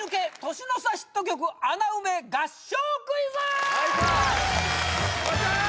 年の差ヒット曲穴埋め合唱